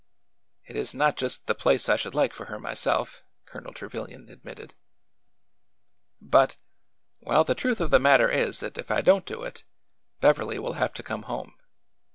" It is not just the place I should like for her myself," A MEMORABLE CAMPAIGN 171 Colonel Trevilian admitted. '' But— well, the truth of the matter is that if I don't do it, Beverly will have to come home.